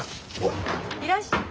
いらっしゃ。